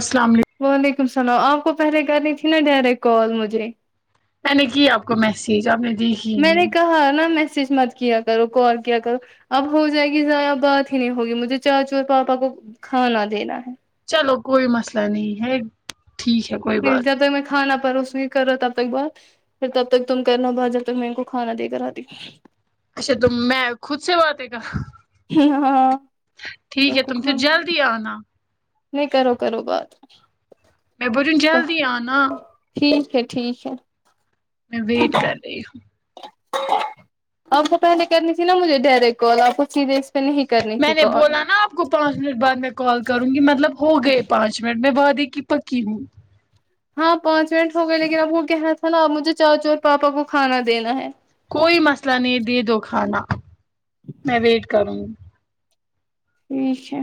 السلام علیکم وعلیکم سلام آپ کو پہلے کرنی تھی نا ڈائریکٹ کال مجھے میں نے کی آپ کو میسج آپ نے دیکھی ہی میں نے نہیں کہاں نا میسج مر کیا کرو کال کیا کرو اب ہو جائے گی ضائیہ بات ہی نہیں ہوگی مجھے چاچو اور پاپا کو کھانا دینا ہے چلو کوئی مسئلہ نہیں ہے ٹھیک ہے کوئی مل بات جاتا ہے میں کھانا پروس رہی ہو تب تک کرو بات پھر تب تک تم کرنا ہو بات جب تک میں ان کو کھانا دے کر آتی نہیں۔ اچھا تو میں خود سے باتیں کر ہ ہاں ٹھیک ان ہے کو تم پھر کھانا جلدی آنا نہیں کرو کرو بات میں بولرہی ہوں جلدی آنا ٹھیک ہے ٹھیک ہے میں ویٹ کر رہی ہوں اپ تو پہلے کرنی تھی نا مجھے ڈائریکٹ کال آپ کو سیدھے سے نہیں کر میں نے بولا نا آپ کو پانچ منٹ بعد میں کال کروں گی مطلب ہو گئے پانچ منٹ میں وعدیں کہ پکی ہوں ہاں پانچ منٹ ہو گئے لیکن اب وہ کیا ہے نا اب مجھے چاچو اور پاپا کوکھانا دینا ہے کوئی مسئلہ نہیں دے دو کھانا میں ویٹ کروں گی ٹھیک ہے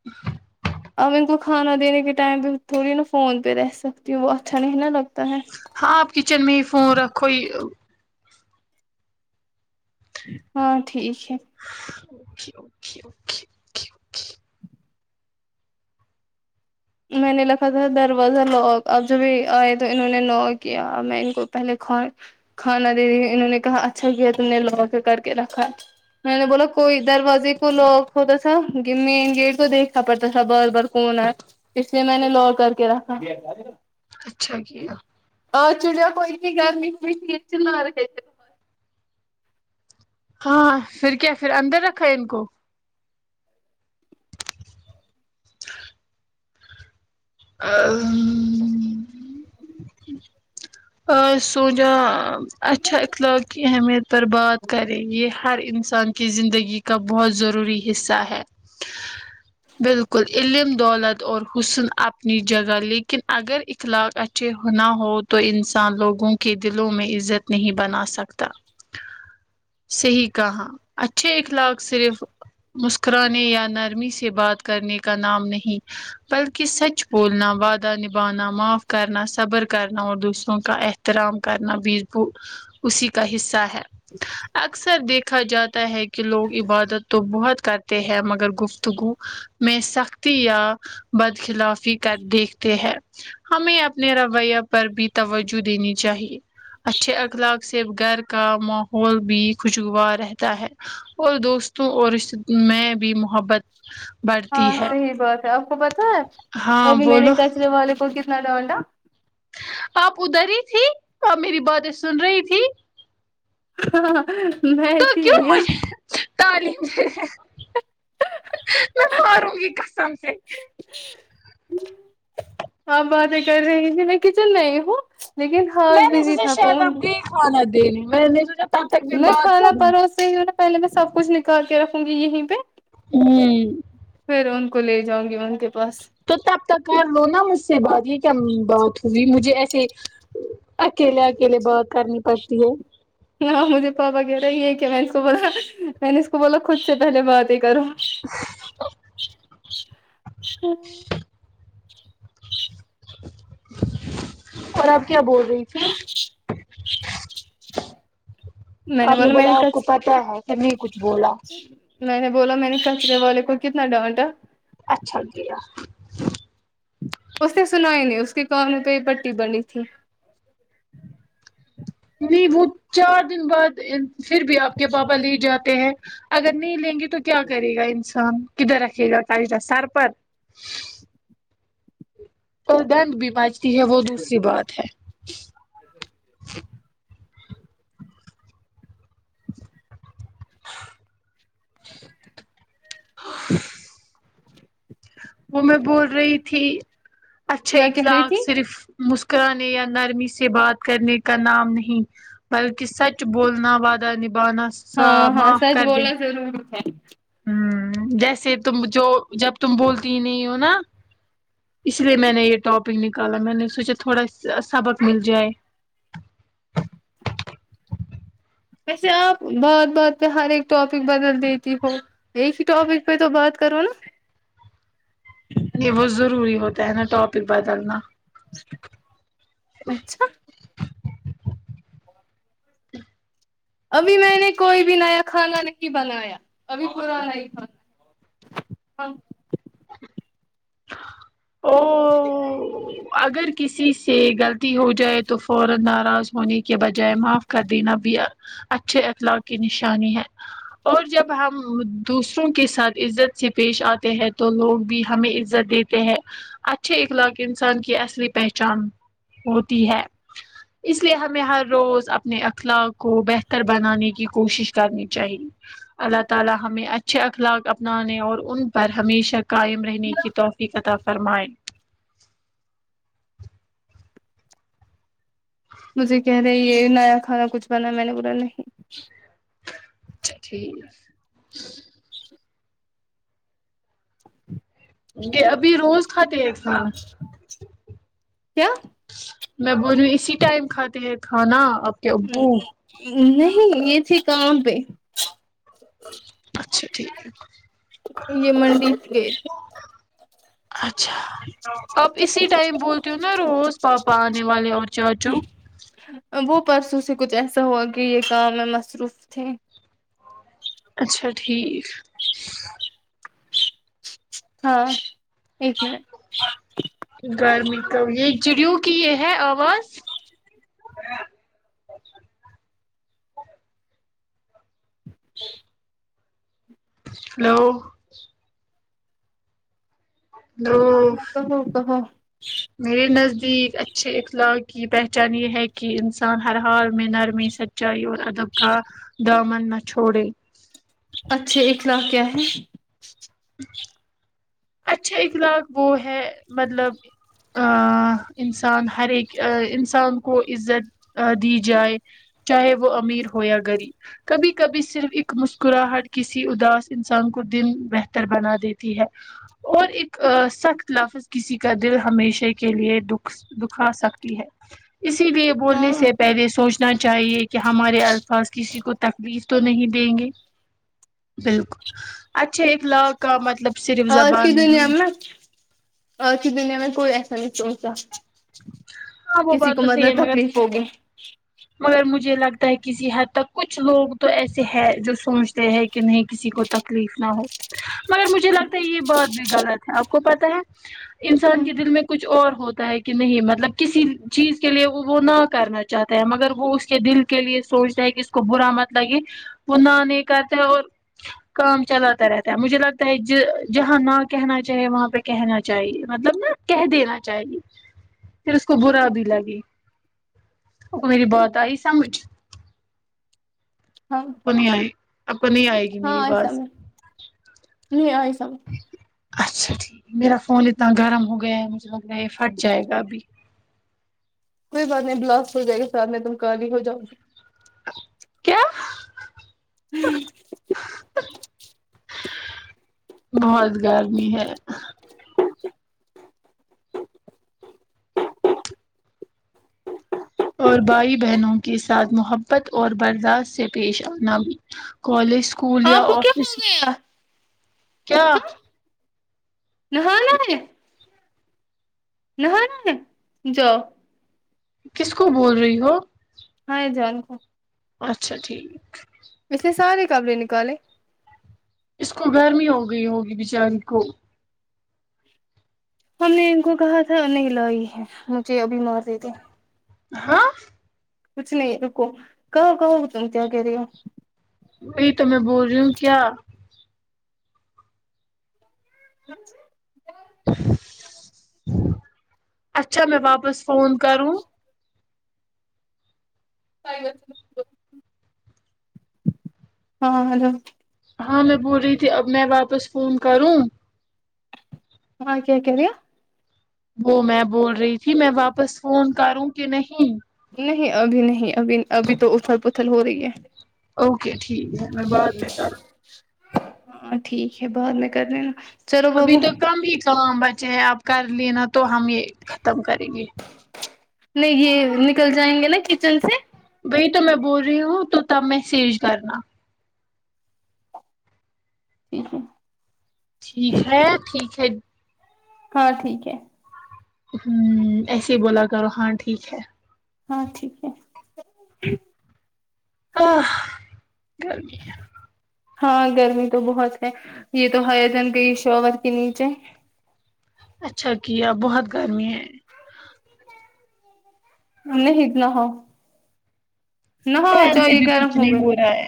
ہ اب ان کو کھانا دینے کے ٹائم پہ تھوڑی نا فون پہ رہ سکتی ہوں وہ اچھا نہیں نا لگتا ہے ہاں آپ کچن میں ہی فون رکھو یہ ہاں ٹھیک ہے وکے اوکےوکےکےکے میں نے لکھا تھا دروازہ لوک اب جب بھی آئے تو انہوں نے نوک کیا میں ان کو پہلے کھا کھانا دے دیا انہوں نے کہا اچھا کیا تم نے لوک کر کے رکھا میں نے بولا کوئی دروازے کو لوک ہوتا تھا کہ مین گیٹ کو دیکھا پڑتا تھا بار بار کون ہے اس لیے میں نے لور کر کے رکھا اچھا کیا آ چڑیا کوئیت کی گرمی ہوئی تھی چلا رہے تھے ہاں فر کیا فر اندر رکھا ان کو امم آ سوجا اچھا اخلاق کی اہمیت پر بات کریں گے ہر انسان کی زندگی کا بہت ضروری حصہ ہے بالکل علم دولت اور حسن اپنی جگہ لیکن اگر اخلاق اچ چھے ہونا ہو تو انسان لوگوں کے دلوں میں عزت نہیں بنا سکتا صحیح کہا اچھے اخلاق صرف مسکرانے یا نرمی سے بات کرنے کا نام نہیں بلکہ سچ بولنا وعدہ نبھانا معاف کرنا صبر کرنا اور دوس کا احترام کرنا ب بور اسی کا حصہ ہے اچ اکثر دیکھا جاتا ہے کہ لوگ عبادت تو بہت کرتے ہیں مگر گفتگو میں سختی یا بدخلافی کر دیکھتے ہیں ہمیں اپ نے رویہ پر بھی توجہ دینی چاہیے اچھے اخلاق سے صرف گھر کا ماحول بھی خوشگوار رہتا ہے اور دوستوں اور رشتے میں بھی محبت بڑھتی ہاں ہے صحیح بات ہے آپ کو پتا ہے ہاں ابھی میں نے بولو کچرے والے کو کتنا ڈانڈا آپ ادھر ہی تھی آپ میری باتیں سن رہی تھی ہاں تو کیوں مجھے تعلیم میں ماروں گی قسم سے آپ باتیں کر رہی تھی میں کچن میں ہی ہوں لیکن میں ہاتھ نے بزی سوچا تھا شاید آپ فون گئی کھانا دنے میں تب تک میں بات کھانا کروں پروس رہی ہوں پہلے میں سب کچھ نکال کے رکھوں گی یہیں پہ ہوں فر ان کو لے جاؤں گی ان کے پاس تو تب تک کر لو نا مجھ سے بات یہ کیا بات ہوئی مجھے ایسے اکیلے اکیلے بات کرنی پڑتی ہے ہاں مجھے پاپا کہہ رہے یہ ہے کہ میں اس کو بولا میں نے اس کو بولا خود سے پہلے بات ہی کرو اور آپ کیا بول رہی تھی آپ نے بولا آپ کو پتا ہے کہ نہیں کچھ بولا میں نے بولا میں نے کچرے والے کو کتنا ڈانٹا اچھا گیا اس نے سنائی نہیں اس کے کانوں پہ یہ پٹی بنی تھی نہیں وہ چار دن بعد پھر بھی آپ کے پاپا لے جاتے ہیں اگر نہیں لیں گے تو کیا کرے گا انسان کدھر رکھے گا پیسہ سر پر اور دنڈ بھی مچتی ہے وہ دوسری بات ہے وہ میں بول رہی تھی اچھے کیا کہہ رہی اخلاق تھی صرف مسکرانے یا نرمی سے بات کرنے کا نام نہیں بلکہ سچ بولنا وادہ نبھانا سا ہاں ہاں سچ بولنا ضروری ہے ہوں جیسے تم جو جب تم بولتی ہی نہیں ہو نا اس لیے میں نے یہ ٹاپک نکالا میں نے سوچا تھوڑا سبق مل جائے ویسے آپ بات بات پہ ہر ایک ٹاپک بدل دیتی ہو ایک ہی ٹاپک پہ تو بات کرو نا یہ بہت ضروری ہوتا ہے نا ٹاپک بدلنا اچھا ابھی میں نے کوئی بھی نیا کھانا نہیں بنایا ابھی پرانا ہی کھانا ہاں او اگر کسی سے غلطی ہو جائے تو فورا ناراض ہونے کے بجائے معاف کر دینا بھی اچھے اخلاق کی نشانی ہے اور جب ہم دوسروں کے ساتھ عزت سے پیش آتے ہیں تو لوگ بھی ہمیں عزت دیتے ہیں اچھے اخلاق انسان کی اصلی پہچان ہوتی ہے اس لیے ہمیں ہر روز اپنے اخلاق کو بہتر بنانے کی کوشش کرنی چاہیے اللہ تعالی ہمیں اچھے اخلاق اپنانے اور ان پر ہمیشہ قائم رہنے کی توفیق عطا فرمائیں مجھے کہہ رہے یہ نیا کھانا کچھ بنا میں نے بولا نہیں اچا ٹھیک ہے ابھی روز کھاتے ہیں کسا کیا میں بولی اسی ٹائم کھاتے ہیں کھانا اب نہیں یہ تھی کام پہ اچھا ٹھیک ہے یہ منڈی گئے تھ اچھا آپ اسی ٹائم بولتے ہو نا روز پاپا آنے والے اور چاچو وہ پرسوں سے کچھ ایسا ہوا کہ یہ کام میں مصروف تھے اچھا ٹھیک ہاں ایک منٹ گرمی کا یہ چڑیو کی یہ ہے آواز ہیلو ہیلو ہلو ہلو میرے نزدیک اچھے اخلاق کی پہچان یہ ہے کہ انسان ہر حال میں نرمی سچائی اور ادب کا دامن نہ چھوڑے اچھے اخلاق کیا ہے اہ اچھے اخلاق وہ ہے مطلب انسان ہر ایک انسان کو عزت دی جائے چاہے وہ امیر ہو یا غریب کبھی کبھی صرف ایک مسکراہٹ کسی اداس انسان کو دن بہتر بنا دیتی ہے اور ایک سخت لفظ کسی کا دل ہمیشہ کے لیے دکھ دکھا سکتی ہے اسی لیے بولنے ہاں سے پہلے سوچ نا چاہیے کہ ہمارے الفاظ کسی کو تکلیف تو نہیں دیں گے بالکل اچھا اخلاق کا مطلب صرف زب آج کی دنیا میں آ ج کی دنیا میں کوئی ایسا نہیں سونچنتا ہاں وہ کسی بات کو تو صحیح مطلب ہے مگر تکلیف ہوگی مگر مجھے لگتا ہے کسی حد تک کچھ لوگ تو ایسے ہے جو سوچتے ہیں کہ نہیں کسی کو تکلیف نہ ہو مگر مجھے لگتا ہے یہ بہت بھی غلط ہے آپ کو پتا ہے انسان کے دل ہاں میں کچھ اور ہوتا ہے کہ نہیں مطلب کسی چیز کے لیے وہ وہ نہ کرنا چاہتا مگر وہ اس کے دل کے لیے سوچتا ہے کہ اس کو برا مت لگے وہ نہ نہیں کرتے اور کام چلاتا رہتا ہے مجھے لگتا ہے جہاں نہ کہنا چاہے وہاں پہ کہنا چاہیے مطلب نا کہہ دینا چاہیے پھر اس کو برا بھی لگے وہ میری با ت آئی سمجھ ہاں آپ کو نہیں آئے اپ کو نہیں آئے گی ہاں میری ایسم آواز میں نہیں اسام اچھا ٹھیک میرا فون اتنا گرم ہو گیا ہے مجھے لگ رہا ہے یہ پھٹ جائے گا ابھی کوئی بات نہیں گلفس لیےجائے گا ساتھ میں تم کالی ہو جؤ گی کیا ہوں بہت گرمی ہے اور بھائی بہنوں کے ساتھ محبت اور برداشت سے پیش آنا بھی کالج اسکول یا آپ کو کیا ہو آفس گیا کیا نہانا ہے نہانا ہے جاؤ کس کو بول رہی ہو ہاں جوان کا اچھا ٹھیک اس نے سارے کپڑے نکالے اس کو گرمی ہو گئی ہوگی بیچارے کو ہم نے ان کو کہا تھا نہیں لا ہی ہے مجھے ابھی مار دیتے ہاں کچ نہیں رکو کہو کہو تم کیا کھری ہو بی تو میں بول رہی ہوں کیا اچھا میں واپس فون کروں ہاں ہیلو ہاں میں بول رہی تھی اب میں واپس فون کروں ہاں کیا کہرا وہ میں بول رہی تھی میں واپس فون کروں کی نہیں نہیں ابھی نہیں ابھی ابھی تو اتھل پتھل ہو رہی ہے اوکے ٹھیک ہے میں بعد میں کر ہاں ٹھیک ہے بعد میں کرنے نا ابھی تو کم ہی کام بچے ہیں آپ کرلینا تو ہم یہ ختم کریں گے لے گے نکل جائیںنگے نا کچن سے وبی تو میں بول رہی ہوں تو تب میں سیج کرنا ہو ہو ٹھیک ہے ٹھیک ہے ہاں ٹھیک ہے ہوں ایسے ہی بولا کرو ہاں ٹھیک ہے ہاں ٹھیک ہے اہ گرمی ہے ہاں گرمی تو بہت ہے یہ تو ہے جن گی شاور کے نیچے اچھا کیا بہت گرمی ہے نہیں نہ ہ نہ ہ چای گرم ہوگۓ ہاے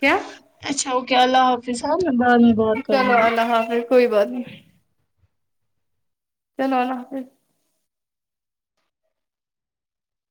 کیا اچھا اوکے اللہ او کے سہ میں بعم چلو اللہ حافظ کوئی بات نہیں چلونا پھر